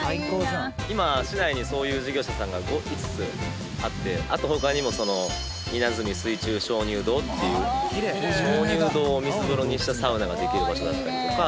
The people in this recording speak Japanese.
今市内にそういう事業者さんが５つあってあと他にも稲積水中鍾乳洞っていう鍾乳洞を水風呂にしたサウナができる場所だったりとか。